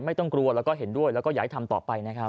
ไม่ต้องกลัวแล้วก็เห็นด้วยแล้วก็อยากให้ทำต่อไปนะครับ